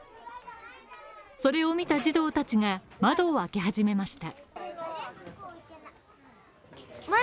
それを見た児童たちが窓を開け始めました。